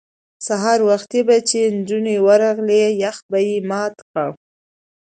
سهار وختي به چې نجونې ورغلې یخ به یې مات کړ.